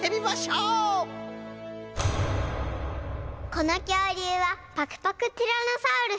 このきょうりゅうはパクパクティラノサウルス。